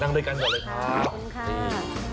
นั่งด้วยกันก่อนเลยค่ะขอบคุณครับ